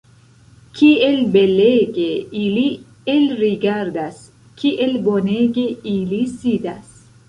Kiel belege ili elrigardas, kiel bonege ili sidas!